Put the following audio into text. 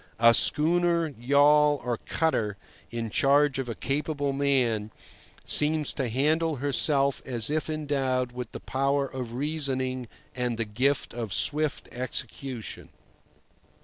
A schooner, yawl, or cutter in charge of a capable man seems to handle herself as if endowed with the power of reasoning and the gift of swift execution.